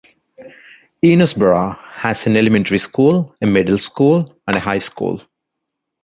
Enosburgh has an elementary school, a middle school, and a high school.